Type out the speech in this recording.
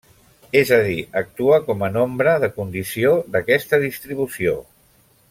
És a dir, actua com a nombre de condició d'aquesta distribució.